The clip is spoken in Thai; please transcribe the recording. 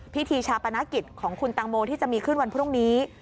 พิธีชาปนกิจของคุณตังโมที่จะมีขึ้นวันพรุ่งนี้